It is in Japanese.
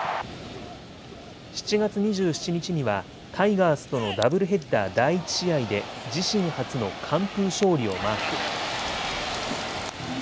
７月２７日にはタイガースとのダブルヘッダー第１試合で自身初の完封勝利をマーク。